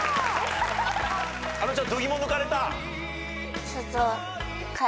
あのちゃん度肝抜かれた？